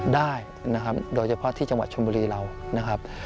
ได้นะครับโดยเฉพาะที่จังหวัดชนบุรีเรานะครับ